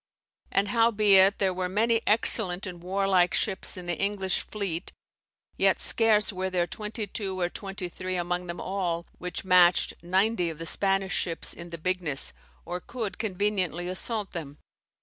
"And howbeit there were many excellent and warlike ships in the English fleet, yet scarce were there 22 or 23 among them all, which matched 90 of the Spanish ships in the bigness, or could conveniently assault them.